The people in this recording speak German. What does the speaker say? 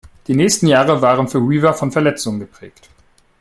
Die nächsten Jahre waren für Weaver von Verletzungen geprägt.